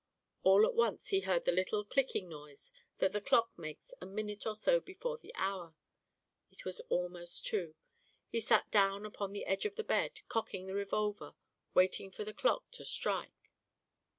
All at once he heard the little clicking noise that the clock makes a minute or so before the hour. It was almost two; he sat down upon the edge of the bed, cocking the revolver, waiting for the clock to strike.